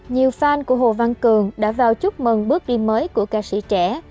nhiều fan của hồ văn cường đã vào chúc mừng bước đi mới của ca sĩ trẻ